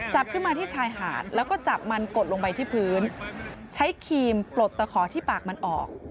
จับขึ้นมาที่ชายหาดแล้วก็จับมันกดลงไปที่พื้นใช้ครีมปลดตะขอที่ปากมันออก